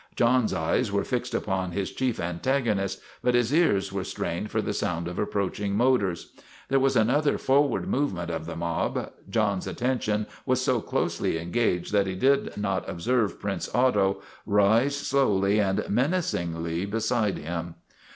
John's eyes were fixed upon his chief antagonist, but his ears were strained for the sound of approaching motors. There was another forward movement of the mob. John's attention was so closely engaged that he did 152 STRIKE AT TIVERTON MANOR not observe Prince Otto rise slowly and menacingly beside him.